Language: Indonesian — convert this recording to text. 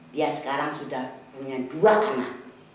dia sekarang sudah punya dua anak